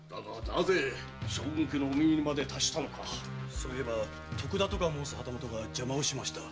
そういえば徳田とか申す旗本が邪魔をしました。